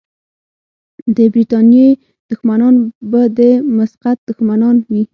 د برتانیې دښمنان به د مسقط دښمنان وي.